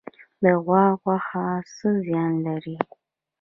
د غوا غوښه څه زیان لري؟